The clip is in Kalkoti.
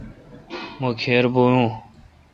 مہ کھیربؤون۔